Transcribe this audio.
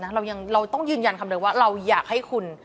เราต้องยืนยันคำเดิมว่าเราอยากให้คุณ